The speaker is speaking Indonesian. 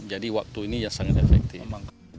jadi waktu ini sangat efektif